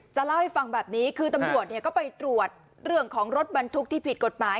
เล่าให้ฟังแบบนี้คือตำรวจก็ไปตรวจเรื่องของรถบรรทุกที่ผิดกฎหมาย